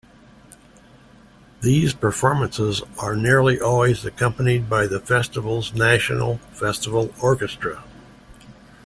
These performances are nearly always accompanied by the festival's "National Festival Orchestra".